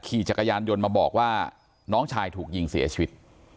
ขี่จักรยานยนต์มาบอกว่าน้องชายถูกยิงเสียชีวิต